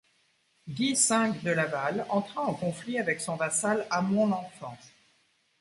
Guy V de Laval entra en conflit avec son vassal Hamon L'Enfant.